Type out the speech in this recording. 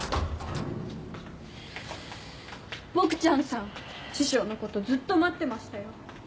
ボクちゃんさん師匠のことずっと待ってましたよ。